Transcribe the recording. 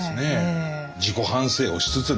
自己反省をしつつね。